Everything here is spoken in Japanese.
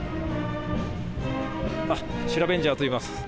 シラベンジャーといいます。